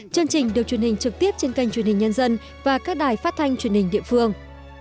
chương trình được truyền hình trực tiếp trên kênh truyền hình nhân dân và các đài phát thanh truyền hình địa phương